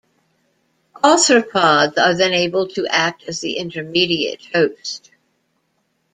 Arthropods are then able to act as the intermediate host.